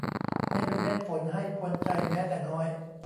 ไม่มีเม็ดฝนให้กวนใจแม้แต่น้อย